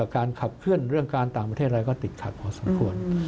การขับเคลื่อนเรื่องการต่างประเทศอะไรก็ติดขัดพอสมควร